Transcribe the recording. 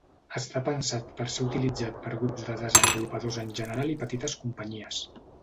Està pensat per ser utilitzat per grups de desenvolupadors en general i petites companyies.